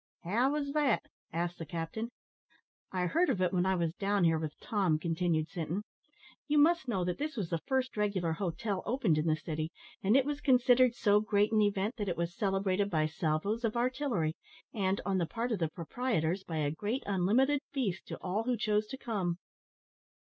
"How was that?" asked the captain. "I heard of it when I was down here with Tom," continued Sinton. "You must know that this was the first regular hotel opened in the city, and it was considered so great an event that it was celebrated by salvos of artillery, and, on the part of the proprietors, by a great unlimited feast to all who chose to come."